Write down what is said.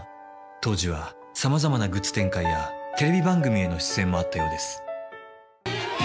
当時はさまざまなグッズ展開やテレビ番組への出演もあったようです。